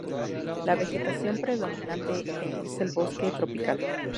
La vegetación predominante es el bosque tropical.